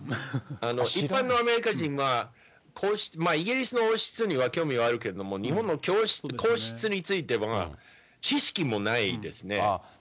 一般のアメリカ人は、皇室、イギリスの王室には興味はあるけども、日本の皇室については、知識もないですね。